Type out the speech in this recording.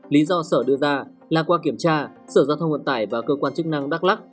lý do sở đưa ra là qua kiểm tra sở giao thông vận tải và cơ quan chức năng đắk lắc